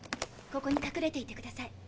ここにかくれていてください。